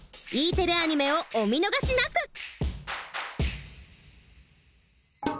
Ｅテレアニメをお見逃しなく！